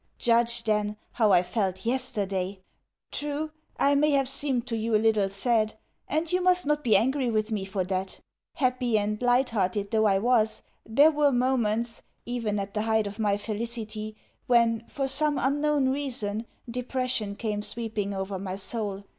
Judge, then, how I felt yesterday! True, I may have seemed to you a little sad, and you must not be angry with me for that. Happy and light hearted though I was, there were moments, even at the height of my felicity, when, for some unknown reason, depression came sweeping over my soul.